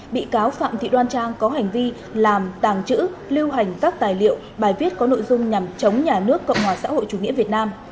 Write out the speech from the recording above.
bị cáo phạm thị đoan trang có hành vi làm tàng trữ lưu hành các tài liệu bài viết có nội dung nhằm chống nhà nước cộng hòa xã hội chủ nghĩa việt nam